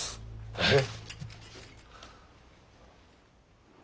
えっ。